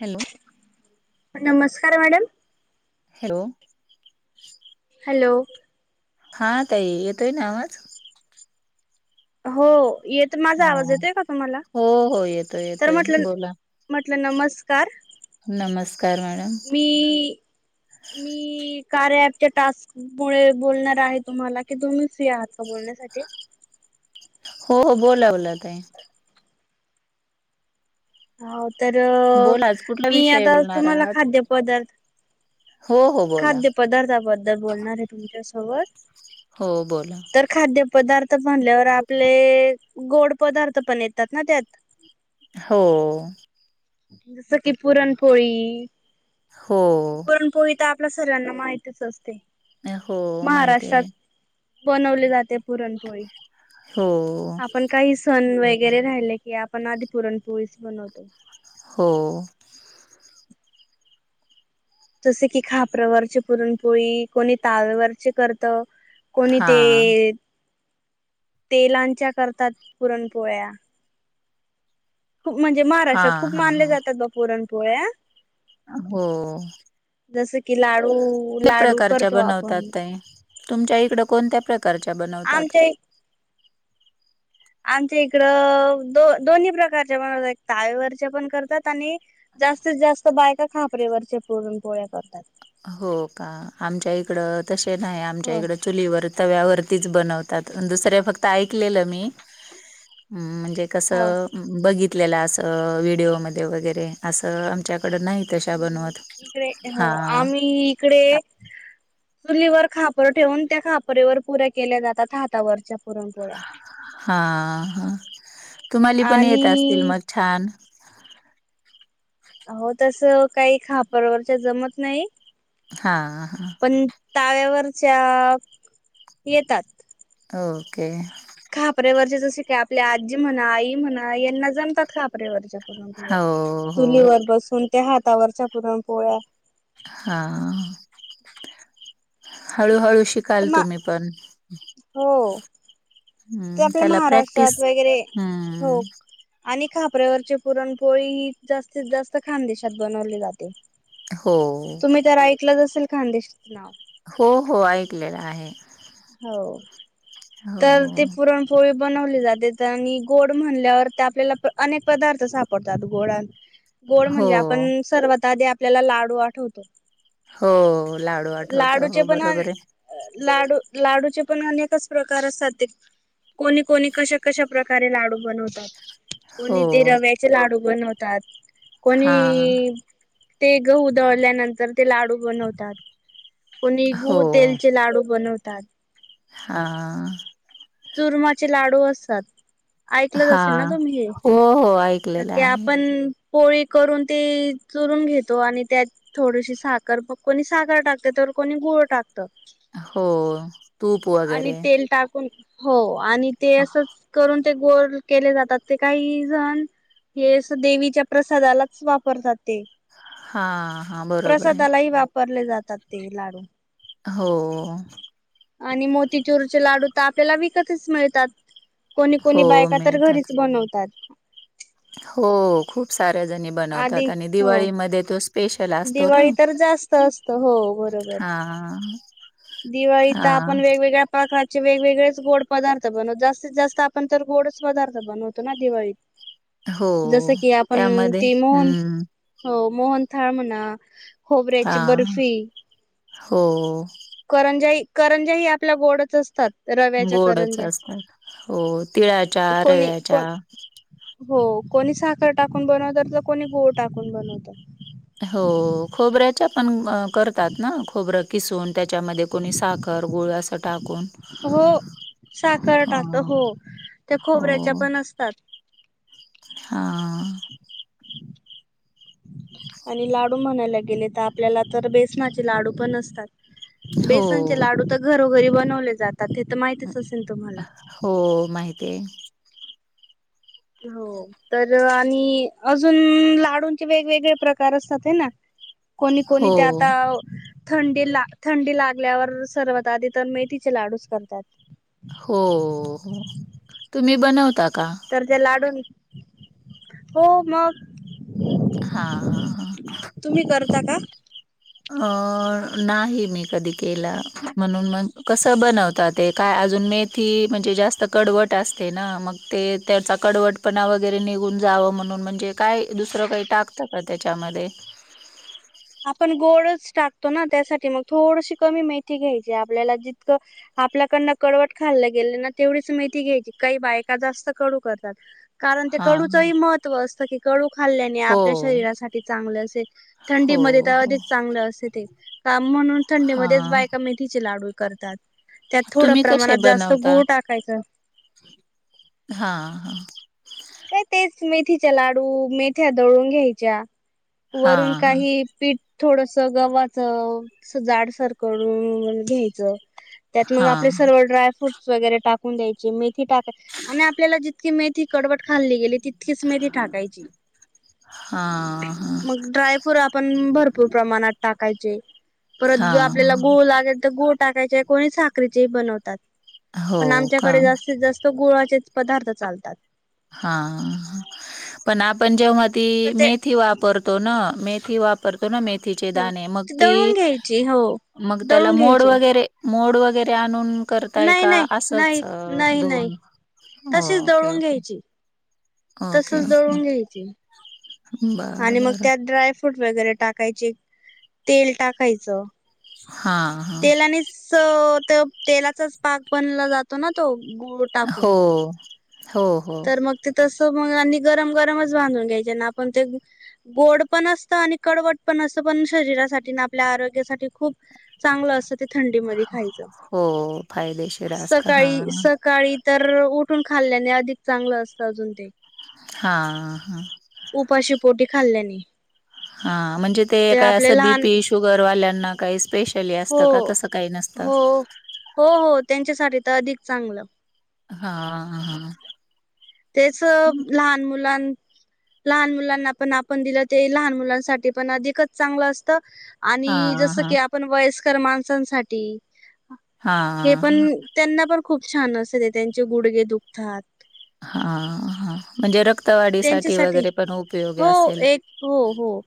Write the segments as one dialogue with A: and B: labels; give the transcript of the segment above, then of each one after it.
A: Hello!
B: नमस्कार madam,
A: hello!
B: Hello!
A: हा तई येतोय ना आवाज.
B: हो येत. माझा आवाज येतय का तुम्हाला?
A: हो हो येतोय
B: तर
A: येतोय
B: म्हटल
A: बोला
B: म्हटल नमस्कार.
A: नमस्कार मॅडम.
B: मी मी. कार्या अ्यापच्या टास्क मुळे बोलणार आहे तुम्हाला. की, तुम्ही फ्री आहात का बोलण्यासाठी. [inaudible]
A: हो हो बोला‌ बोला ताई.
B: हो तर
A: बोला आज कुठला
B: मी
A: विषय
B: आता
A: बोलणार
B: तुम्हाला
A: आहात
B: खाद्यपदार्थ.
A: हो हो बोला
B: खाद्य पदार्थाबद्दल बोलणार आहे तुमच्यासोबत.
A: हो बोला
B: तर खाद्य पदार्थ. म्हणल्यावर आपले गोड पदार्थ पण येतात ना त्यात.
A: हो!
B: जसं की पुरणपोळी.
A: हो
B: पुरणपोळी. तर आपल्या सगळ्याना माहतीच असते
A: हो माहित आहे
B: बनवले जाते पुरणपोळी
A: हो
B: आपण काही सण वग वगैरे राहिले की आपण आधी पुरणपोळीस बनवतो
A: हो
B: जसे की खापरावरचे पुरणपोळी कोणी तालवरचे करत कोणी
A: हा
B: ते तेलांच्या करतात पुरणपोळ्या खूप म्हणजे
A: हा
B: महाराष्ट्रात खूप
A: हा
B: मानले
A: हा
B: जातात बा पुरणपोळ्या
A: हो
B: जसे की लाडू लाडू
A: प्रकारच्या
B: करतो आपण
A: बनवतात तुमच्या इकड कोणत्या प्रकारच्या बनवतात
B: आमच्या आमच्या इकडं दो दोन्ही प्रकारचे पणात तावेवरचे पण करतात आणि जास्तीत जास्त बायका खापरेवरचे पुरण पोळ्या करतात
A: हो का आमच्या इकडं तसे नाही आमच्या
B: हो
A: इकड चुलीवर तव्यावरतीच बनवतात दुसऱ्या फक्त ऐकलं मी कस
B: हो.
A: बघितल अस व्हिडिओमध्ये वगैरे अस आमच्या
B: हम् इकडे हो
A: हा
B: आम्ही इकडे चुलीवर खापर ठेवून त्या खापरेवर पुऱ्या केल्या जातात हातावरच्या पुरणपोळ्या
A: हा हा तुम्हाला पण येत असतील
B: आणि
A: मग छान
B: हो तस काही खापरवरच्या जमत नाही
A: हा हा
B: पण ताव्यावरच्या येतात
A: ओके
B: खापऱ्यावरचे जसे का आपली आजी म्हणा आई म्हणा यांना जमतात खापऱ्यावरच्या पुरण पोळ्या
A: हो हो
B: चुलीवर बसून त्या हातावरच्या पुरण पोळ्या
A: हा हळूहळू
B: तर
A: शिकाल
B: मा
A: तुम्ही पण
B: हो ते
A: हं,
B: आपल्या
A: त्याला प्रॅक्टिस
B: महाराष्ट्रात वगैरे हो
A: हम्म
B: आणि ख प्रेवरची पुरणपोळी ही जास्तीत जास्त खानदेशात बनवली जाते
A: हो
B: तुम्ही तर ऐकलंच असेल खांदेशचं नाव
A: हो हो ऐकलेला आहे
B: हो
A: हो
B: तर ते पुरणपोळी बनवले जाते आणि गोड म्हणल्यावर आपल्याला अनेक पदार्थ सापडतात गोड गोड म्हणजे
A: हो
B: आपण सर्वत आधी आपल्याला लाडू आठवतो
A: हो लाडू आठवत
B: लाडूचे
A: हो
B: पण
A: बरोबर आहे
B: लाडू लाडूचे पण अनेकच प्रकार असतात ते कोणी कोणी कशा कशा प्रकारे लाडू बनवतात
A: हो
B: कोणी ते रव्याचे लाडू बनवतात
A: हा
B: कोणी ते गहू दळल्यानंतर ते लाडू बनवतात कोणी
A: हो
B: गू तेलचे लाडू बनवतात
A: हा
B: चुरमचे लाडू असात ऐकलंच
A: हा
B: असेल ना तुम् हे
A: हो हो ऐकलेलं
B: क
A: आहे
B: आपण पोळी करून ती चुरून घेतो आणि त्यात थोडीशी साखर पक आणि साखर टाकते तर कोणी गुळ टाकत.
A: हो तूप
B: आणि
A: वगैरे.
B: तेल टाकून हो आणि ते असच करून ते गोल केले जातात ते काही जण. हे अस देवीच्या प्रसादालाच वापर ते.
A: हा, हा, बरोबर आय.
B: प्रसादालाही वापरले जातात ते लाडू.
A: हो.
B: आणि मोतीचुरचे लाडू तर आपल्याला विकतच मिळतात. कोणी, कोणी
A: हो
B: बायका तर
A: मिळतात
B: घरीच बनवतात.
A: हो खूप सा साऱ्या जणी
B: आधी
A: बनवतात आणि
B: हो
A: दिवाळीमध्ये तर स्पेशल असतो ना.
B: दिवाळी तर जास्त असत
A: हां.
B: दिवाळी तर आपण वेगवेगळ्या प्रका चे वेगवेगळेच गोड पदार्थ बनवतो जास्तीत जास्त आपण तर गोडच पदार्थ बनवतो ना दिवाळीत.
A: हो
B: जस की आपण
A: त्यामध्ये
B: ती मोहन
A: हम्म
B: हो. मोहनथाळ म्हणा
A: हा
B: खोबऱ्याची बर्फी.
A: हो.
B: करंजाई, करंजा ही आपल्या गोडच असतात. रव्याच्या
A: गोडच
B: करंजा
A: असतात,, हो तिळाच्या,
B: कोणी
A: रव्याच्या,
B: कोण हो कोणी साखर टाकून बनवत तर कोणी गूळ टाकून बनवतं.
A: हो खोबऱ्याच्या पण अ करतात ना खोबरं किसून त्यात. च्यामध्ये कोणी साखर गुळ अस टाकून
B: हो साखर टाकत
A: हं.
B: हो त्या खोबऱ्याच्या पण असतात.
A: हां.
B: [inaudible] आणि लाडू म्हणायला गेले तर आपल्याला तर बेसनाचे लाडू पण असतात.
A: हो.
B: बेसनचे लाडू तर घरोघरी बनवले जात. त ते तर माहितीच असेल तुम्हाला.
A: ते,
B: हो, तर आणि अजून लाडूंचे वेगवेगळे प्रकार असतात हे ना, कोणी कोणी
A: हो,
B: ते आता. थंडी ला थंडी लागल्यावर सर्वात आधी तर मेथीचे लाडूच करतात.
A: हो हो तुम्ही बनवतात?
B: तर ते लाडून हो मग.
A: हा, हा, हा.
B: तुम्ही करता का?
A: अं नाही मी कधी केलं म्हणून म कसं बनवता ते काय. अजून मेथी म्हणजे जास्त कडवट असते ना मग ते त्याचा कडवपणा वगरे निघ जावं म्हणून म्हणजे काय दुसरं काही टाकत का त्याच्यामध्ये.
B: [inaudible] आपण गोडच टाकतो ना त्यासाठी मग थोडीशी कमी मेथी घ्यायची आपल्याला जितकं. आपल्याकडन कडवट खाल् गेलं ना तेवढीच मेथी घ्यायची काही बायका जास्त कडू करतात. कारण ते
A: हां,
B: कडूचंही महत्त्व असतं, की कडू खल्ल्याने आपल्या
A: हो.
B: शरीरासाठी चांगलं असे
A: हो
B: थंडीमध्ये.
A: हो
B: अधिक चांगलं असते ते का म्हणून
A: हा
B: थंडीमध्येच बायका मेथीचे लाडू करतात. त्यात थोड
A: तुम्ही कसे
B: प्रमाणात जास्त
A: बनवता
B: गूळ टाकायचं.
A: हा हा
B: काय तेच मेथीच्या लाडू, मेथ्या दळून घ्यायच्या. वरून
A: हा
B: काही पीठ थोडसं गव्हाच असं जाडसर करून घ्यायचं. त्यात मग
A: हा
B: आपले सर्व ड्राय फ्रूट्स वगैरे टाकून द्यायचे मेथी टाकाय आणि आपल्याला जी की मेथी कडबट खाल्ली गेली, तितकीच मेथी ठाकायची.
A: हा हा
B: मग ड्रायफ्रूर आपण भरपूर प्रमाणात टाक कायचे, परत
A: हा
B: ज आपल्याला गुळ लागेल तर गुळ टाकायचे, कोणी साखरेचे बनवतात.
A: हो
B: पण
A: का
B: आमच्याकडे जास्तीत जास्त गुळाचेच पदार्थ चालतात.
A: हा पण आपण जेव्हा ती
B: तर ते
A: मेथी वापरतो ना मेथी वाप मथी द
B: हो
A: मग
B: दळून घ्यायची हो
A: मग त्या
B: दळून
A: मोड
B: घ्यायचे
A: वगरे मोड व वगैरे आणून करताय
B: नाही
A: का
B: नाही
A: असच
B: नाही नाही नाही
A: धुऊन
B: तशीच
A: ओके
B: दळून
A: ओके.
B: घ्यायची
A: ओके
B: तसच
A: ओके
B: दळून घ्यायचे आणि
A: बरं
B: मग
A: बरं
B: त्यात ड्रायफ्रूट वगैरे टाक टाकायचे तेल टाकायचं
A: हां हां
B: तेलानेच तेलाचाच पाक बनला जातो ना तो गुळ
A: हो
B: टाकून
A: हो हो
B: तर मग ते तसं आणि गरम गरमच बांधून घ्यायचे ना आपण ते गोड पण असत आणि कडवट पण असत पण शरीरासाठी आपल्या आरोग्यासाठी खूप चांगलं अस थंडी म खायचं
A: हो फायदेशीर असतं
B: सकाळी
A: हां
B: सकाळी तर उठून खाल्ल्याने अधिक चांगलं असतं अजून ते
A: हां हा
B: खाल्लणे
A: हा म्हणजे ते काय असं बीपी शुगरवाल्यांना काही स्पेश असत का
B: हो
A: तस काही नसत
B: हो हो हो त्यांच्यासाठी तर अधिक चांगलं
A: हा हा
B: तेच लहान मुलां लहान मुलांना पण आपण दिलं ते लहान मुलांसाठी पण अधिकच चांगलं असत. आणि
A: हां
B: जस की
A: हां.
B: आपण वयस्कर माणसांसाठी हे
A: हां
B: पण
A: हां
B: त्यांना पण खूप छान असत त्यांचे गुडगे दुखतात
A: हां हां म्हणजे रक्
B: त्यांच्यासाठी हो
A: असेल.
B: एक हो हो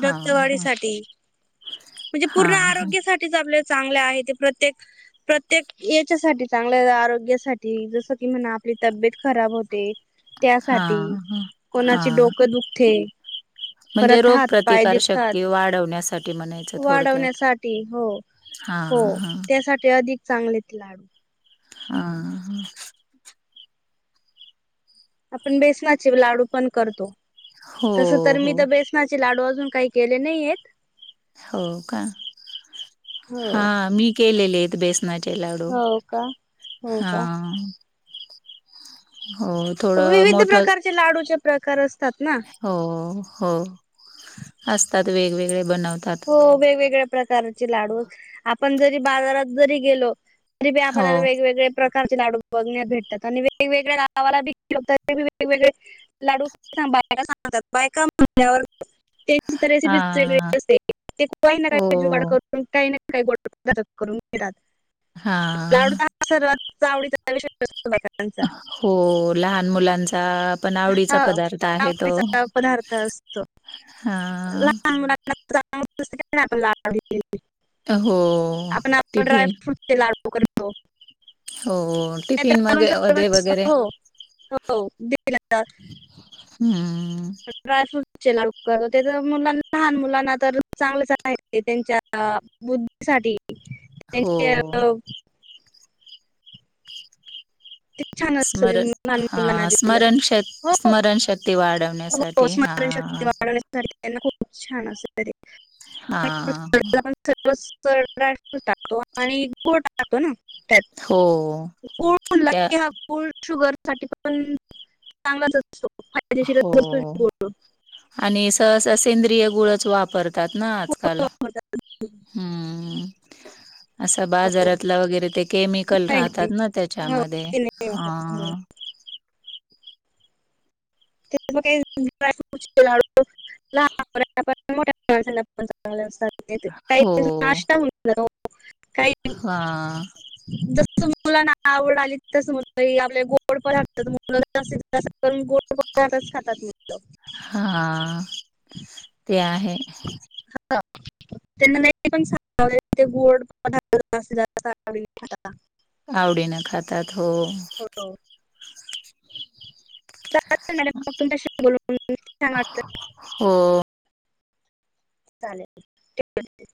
A: हां
B: रक्तवाढी सा म्हणजे पूर्ण
A: हां हां
B: आरोग्यासाठीच आपल्या चांगले आहे ते प्रत्येक प्रत्येक याच्यासाठी चांगल्या आरोग्यासाठी जस की म्हणा तब्येत खराब होते त्यासाठी
A: हां हां.
B: कोणाचे
A: हां
B: डोकं दुखते
A: म्हणजे
B: परत हात पाय दखतात
A: रोगप्रतिकारशक्ती वाढवण्यासाठी म्हणायचं थोडक्यात.
B: वाढवण्यासाठी हो हो
A: हां हां
B: त्यासाठी अधिक चांगले ते लाडू.
A: हा
B: आपण बेसनाचे लाडू पण करतो
A: हो
B: तस तर
A: हो
B: मी तर बेसनाचे लाडू अजून काही केले नाही आहेत
A: हो का हा
B: हो
A: मी केलेले बेस्ट न लावडू
B: हो का हो का
A: हां हो थोडं
B: विविध
A: मोठं
B: प्रकारचे लाडूचे प्रकार असत
A: हो हो असतात वेगवेगळे बनवतात.
B: हो वेगवेगळ्या प्रकारचे लाडू आपण जरी बाजारात जरी गेलो
A: हो.
B: व्यापला वेगवेगळे कारचे लाडू बघण्यात भेटतात आणि वेगवेगळ्या गावालाात वेगवेगळे लाडू बायका सांगतात बायका म्हणल्यावर त्यांची तर रेसिपी
A: हां.
B: वेग असते ते काही
A: हो.
B: नाहीजवाड करून काही नाही काही गोष्टटक करून घेतात
A: हा
B: लाडू तर हा सर्वात आवडीचा विषय असतो बायकांचा.
A: हो लहान मुलांचा पण आवडीचा पदार्थ आहे तो.
B: हाडीचा पदार्थ असतो
A: हां.
B: लहान ण
A: हो.
B: ्राय
A: टिफिन
B: फ्रूट ला त कर
A: हो टिफिन मग वे वगैरे
B: हो हो
A: हम्म.
B: [unintelligible] ड्रायफ्रुर चे लवकर ते जर मुलांना लहान मुलांना तर चांगले [unintelligible] ते त्यांच्या बुद्धीसाठीहि
A: हो.
B: त्यांच्या [unintelligible] ते छान अस
A: स्मरण
B: लहान मुलांना
A: हां
B: दिल
A: स्मरण श
B: [unintelligible] हो हो
A: स्मरणशक्ती
B: [unintelligible]
A: वाढवण्यासाठी
B: स्मरण शक्ती
A: हां.
B: वाढ [unintelligible] त्यांना खूप छान असत ते
A: हा.
B: मस्त ड्रायफ्रूट टाकतो आणि गुळ टाकतो ना त्यात
A: हो.
B: [unintelligible]
A: त्या
B: हा फुल शुगर साठी पण चांगलाच [unintelligible] [unintelligible] फायदेशीर
A: हो
B: [unintelligible]
A: आणि सहसा सेंद्रिय गुळच वापरतात ना
B: खूप
A: आजकाल,
B: वापरतात
A: हम्म्म असा
B: हो.
A: बाजारातला वगैरे ते केमिकल
B: नाही
A: राहतात
B: नाही
A: ना
B: हो
A: त्याच्यामध्ये,
B: ते नाही वापरत हो
A: हा
B: [unintelligible] [unintelligible] [unintelligible] लहान मुलांना पण मोठ्या माणसांना पण चांगले असतात. [unintelligible] काही
A: हो.
B: [unintelligible] नाश्ता म्हणून [unintelligible]
A: हा.
B: [unintelligible] मुलांना आवड आली, तस मुलही आपले गोड [unintelligible] [unintelligible] खातात मुलं
A: हा ते आहे.
B: [unintelligible] त्यांना नाही पण [unintelligible] ते गोड पदार्थ [unintelligible] खाता का?
A: आवडीनं खातात हो
B: हो [unintelligible] मॅडम मग तुमच्याशी बोलून खूप छान वाटल.
A: हो.
B: चालेल [unintelligible]